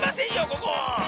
ここ！